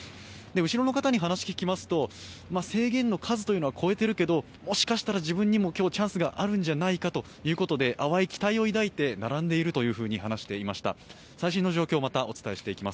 後ろの方に話を聞きますと制限の数は超えているけれどももしかしたら自分にも今日チャンスがあるんじゃないかということで淡い期待を抱いて並んでいると話していました。